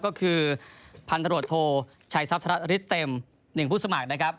ก็คือพันธรโรทโทชายซับทรัสฤทธิ์เต็ม๑ผู้สมัครนะครับ